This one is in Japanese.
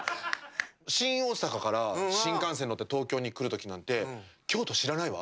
新大阪から新幹線に乗って東京に来る時なんて京都知らないわ。